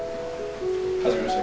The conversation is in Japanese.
初めまして。